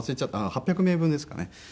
あっ８００名分ですかね。